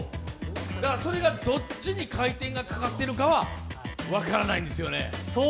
だからそれがどっちに回転がかかってるかは分からないんですよね。